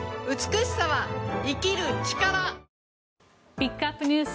ピックアップＮＥＷＳ